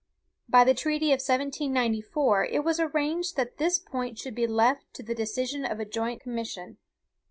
By the treaty of 1794, it was arranged that this point should be left to the decision of a joint commission.